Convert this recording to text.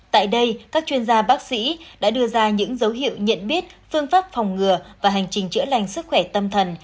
tại đây các chuyên gia bác sĩ đã đưa ra những dấu hiệu nhận biết phương pháp phòng ngừa và hành trình chữa lành sức khỏe tâm thần